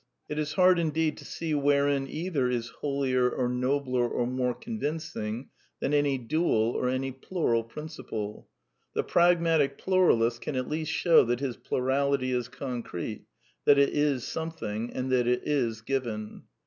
It is hard indeed to see wherein either is holier, or nobler, or more convincing than any dual or any plural principle. The pragmatic pluralist can at least show that his plurality is concrete, that it is something, and that it is " given."